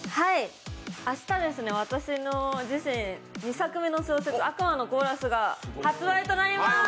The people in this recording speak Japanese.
明日私の２作目の小説、「悪魔のコーラス」が発売となります。